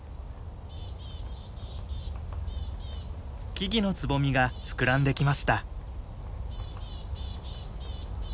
木々のツボミが膨らんできました。